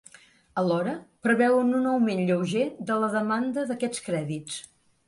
Alhora, preveuen un augment lleuger de la demanda d’aquests crèdits.